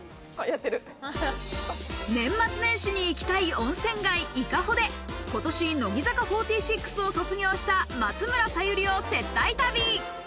年末年始に行きたい温泉街・伊香保で、今年、乃木坂４６を卒業した松村沙友理を接待旅。